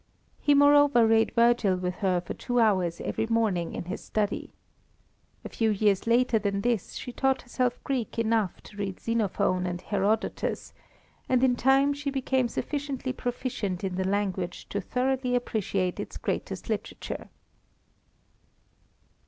He moreover read Virgil with her for two hours every morning in his study. A few years later than this she taught herself Greek enough to read Xenophon and Herodotus, and in time she became sufficiently proficient in the language to thoroughly appreciate its greatest literature.